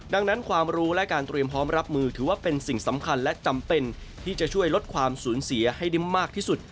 ดังนั้นความรู้และการเตรียมพร้อมรับมือถือว่าเป็นสิ่งสำคัญและจำเป็นที่จะช่วยลดความสูญเสียให้ได้มากที่สุด